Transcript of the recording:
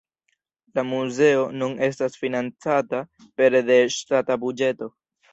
La muzeo nun estas financata pere de ŝtata buĝeto.